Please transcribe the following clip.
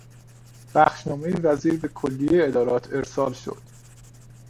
بخشنامهی وزیر به کلیهی ادارات ارسال شد.